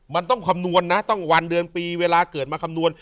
มันต้องคำนวณนะต้องวันเดือนปีเวลาเกิดมาคำนวณ